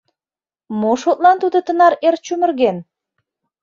Мо шотлан тудо тынар эр чумырген?